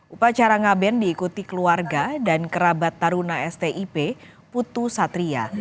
upacara ngaben diikuti keluarga dan kerabat taruna stip putu satria